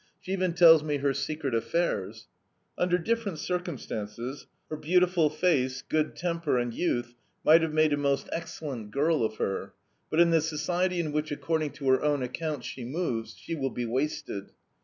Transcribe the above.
She even tells me her secret affairs. Under different circumstances her beautiful face, good temper, and youth might have made a most excellent girl of her, but in the society in which according to her own account, she moves she will be wasted.